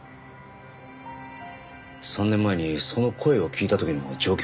３年前にその声を聞いた時の状況は？